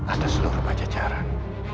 atas seluruh pajajaran